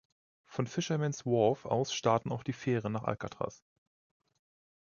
Von Fisherman’s Wharf aus starten auch die Fähren nach Alcatraz.